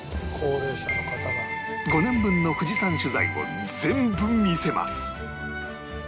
５年分の富士山取材を全部見せます